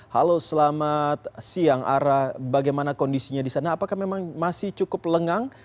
halo selamat siang bagaimana kondisinya disana apakah memang masih cukup lengang